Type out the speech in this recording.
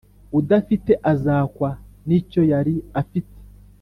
Udafite azakwa n’ icyo yari afite